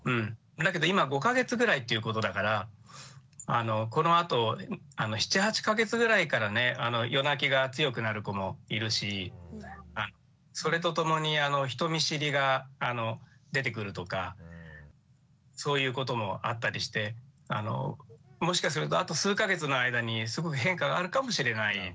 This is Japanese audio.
だけど今５か月ぐらいということだからこのあと７８か月ぐらいからね夜泣きが強くなる子もいるしそれとともに人見知りが出てくるとかそういうこともあったりしてもしかするとあと数か月の間にすごく変化があるかもしれないですよね。